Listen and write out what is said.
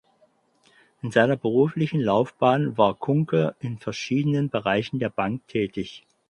In seiner beruflichen Laufbahn war Kuhnke in verschiedenen Bereichen der Bank tätig.